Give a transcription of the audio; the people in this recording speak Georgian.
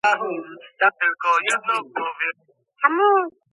ამჟამად ნაგებობა აქსაის სამხედრო-ისტორიული მუზეუმის კუთვნილებაშია.